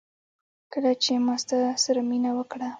کله چي ما ستا سره مينه وکړه